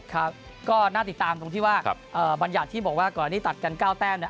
ก็น่าติดตามตรงที่ว่าบรรยาชที่บอกว่าก่อนนี้ตัดกัน๙แต้มเนี่ย